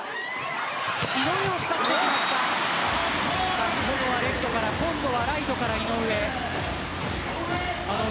先ほどはレフトから今度はライトから井上。